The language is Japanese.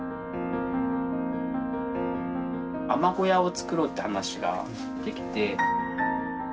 海女小屋をつくろうって話ができて。